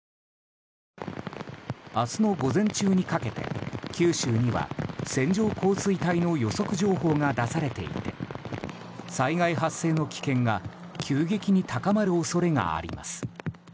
明日の午前中にかけて、九州には線状降水帯の予測情報が出されていて災害発生の危険が急激に高まる恐れがあります。